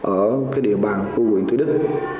ở cái địa bàn của quyền tư đức